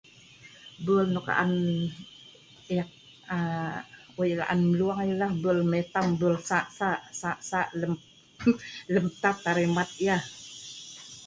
Bul nok an eek aa wei la'an mlung ialah bul mitam bul sa' sa', sa' sa' lem UM lem tat arai mat yeh